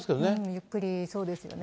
ゆっくり、そうですよね。